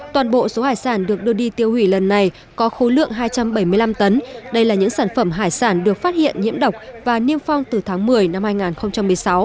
toàn bộ số hải sản được đưa đi tiêu hủy lần này có khối lượng hai trăm bảy mươi năm tấn đây là những sản phẩm hải sản được phát hiện nhiễm độc và niêm phong từ tháng một mươi năm hai nghìn một mươi sáu